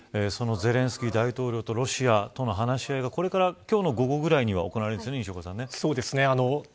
そのゼレンスキー大統領とロシアとの話し合いがこれから、今日の午後くらいには行われるんですね。